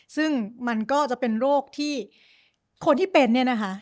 ซึ่งมันก็จะเป็นโรคที่คนที่เป็นเนี่ยนะคะ